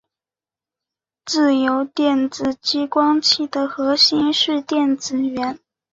自由电子激光器的核心是电子源。